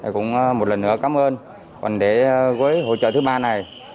cũng một lần nữa cảm ơn quản đế với hỗ trợ thứ ba này